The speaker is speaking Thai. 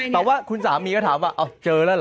แต่ว่าคุณสามีก็ถามว่าเอาเจอแล้วเหรอ